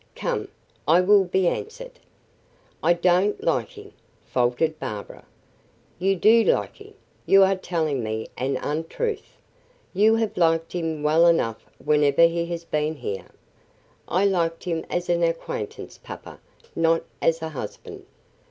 Come, I will be answered." "I don't like him," faltered Barbara. "You do like him; you are telling me an untruth. You have liked him well enough whenever he has been here." "I like him as an acquaintance, papa; not as a husband."